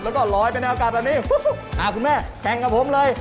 แล้วก็ลอยไปในอากาศแบบนี้คุณแม่แข่งกับผมเลย